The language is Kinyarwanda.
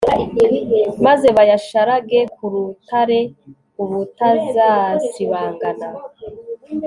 maze bayasharage ku rutare ubutazasibangana